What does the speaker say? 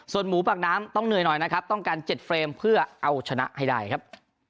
ส่วนหมูปากน้ำต้องเหนื่อยหน่อยนะครับต้องการ๗เฟรมเพื่อเอาชนะให้ได้ครับ